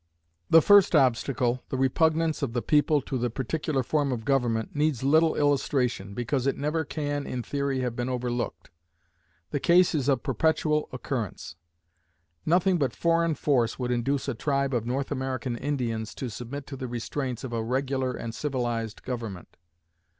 The first obstacle, the repugnance of the people to the particular form of government, needs little illustration, because it never can in theory have been overlooked. The case is of perpetual occurrence. Nothing but foreign force would induce a tribe of North American Indians to submit to the restraints of a regular and civilized government.